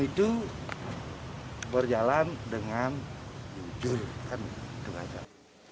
itu berjalan dengan jujur